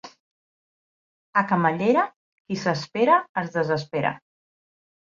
A Camallera, qui s'espera es desespera.